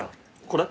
これ？